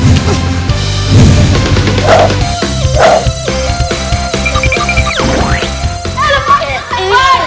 eh lepas waau saya ke sini